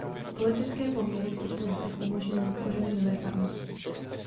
Politické poměry v těchto letech umožnily vytvoření nové farnosti.